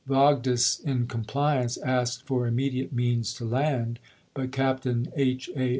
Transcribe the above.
Vogdes, in compli ance, asked for immediate means to land ; but Cap tain H. A.